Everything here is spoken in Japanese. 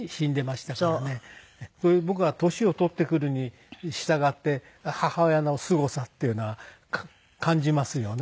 僕は年を取ってくるにしたがって母親のすごさっていうのは感じますよね。